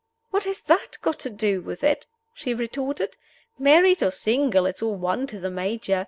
"What has that got to do with it?" she retorted. "Married or single, it's all one to the Major.